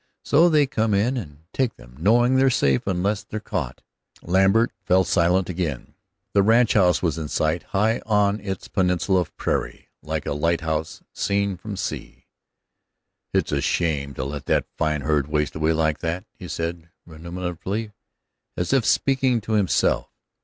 So they come in and take them, knowing they're safe unless they're caught." Lambert fell silent again. The ranchhouse was in sight, high on its peninsula of prairie, like a lighthouse seen from sea. "It's a shame to let that fine herd waste away like that," he said, ruminatively, as if speaking to himself.